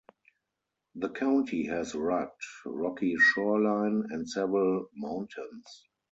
The county has rugged, rocky shoreline and several mountains.